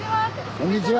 こんにちは！